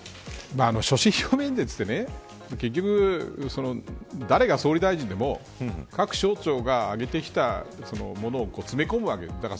所信表明演説って結局誰が総理大臣でも各省庁が上げてきたものを詰め込むわけです。